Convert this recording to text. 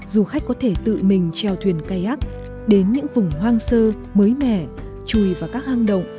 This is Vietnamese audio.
du khách có thể tự mình treo thuyền kayak đến những vùng hoang sơ mới mẻ chùi và các hang động